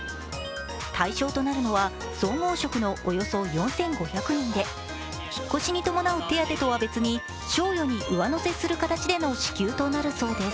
対象となるのは、総合職のおよそ４５００人で、引っ越しに伴う手当とは別に、賞与に上乗せする形での支給となるそうです。